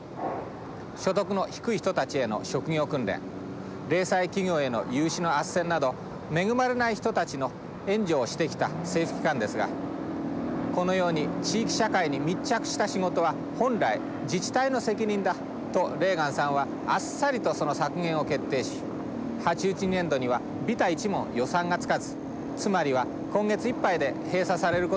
所得の低い人たちへの職業訓練零細企業への融資のあっせんなど恵まれない人たちの援助をしてきた政府機関ですがこのように地域社会に密着した仕事は本来自治体の責任だとレーガンさんはあっさりとその削減を決定し８１年度にはビタ一文予算がつかずつまりは今月いっぱいで閉鎖されることになったのです。